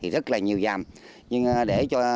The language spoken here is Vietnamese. rất nhiều dàm để cho những tàu đem vũ khí vô